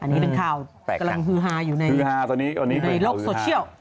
อันนี้เป็นข่าวกำลังฮือฮาอยู่ในโลกโซเชียล